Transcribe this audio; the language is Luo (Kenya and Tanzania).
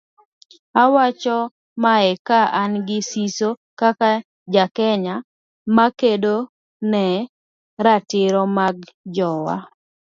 Awacho mae ka an gi siso kaka ja Kenya makedo ne ratiro mag jowa